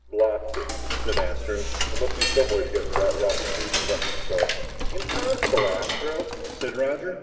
"Blast it," said Astro, "there must be some way to get to that rocket tube and dump that stuff!" "Impossible, Astro," said Roger.